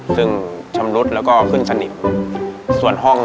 ซึ่งชำรุดแล้วก็ขึ้นสนิทส่วนห้อง